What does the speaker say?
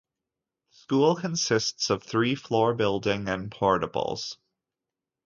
The school consists of three-floor building and portables.